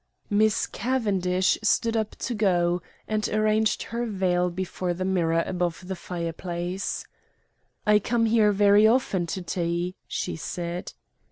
Miss Cavendish stood up to go, and arranged her veil before the mirror above the fireplace. "I come here very often to tea," she said.